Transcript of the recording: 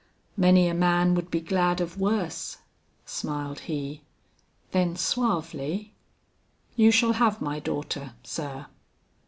'Many a man would be glad of worse,' smiled he; then suavely, 'you shall have my daughter, sir.'